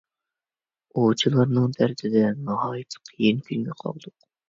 ئوۋچىلارنىڭ دەردىدە ناھايىتى قىيىن كۈنگە قالدۇق.